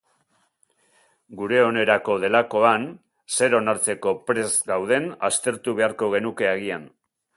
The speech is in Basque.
Gure onerako delakoan, zer onartzeko prest gauden aztertu beharko genuke agian.